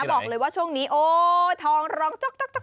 บอกเลยช่วงนี้ทองหลง